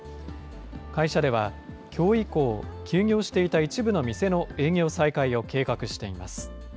会社では、きょう以降、休業していた一部の店の営業再開を計画しています。